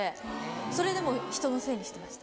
それで人のせいにしてました。